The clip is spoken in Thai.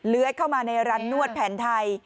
เลื้อยเข้ามาในร้านนวดแผนไทย